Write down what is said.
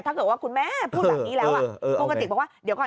ถ้าเกิดว่าคุณแม่พูดแบบนี้แล้วอ่ะปกติบอกว่าเดี๋ยวก่อน